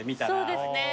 そうですね。